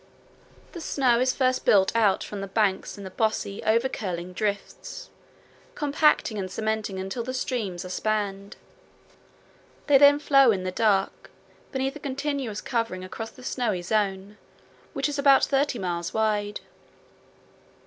The snow is first built out from the banks in bossy, over curling drifts, compacting and cementing until the streams are spanned. They then flow in the dark beneath a continuous covering across the snowy zone, which is about thirty miles wide.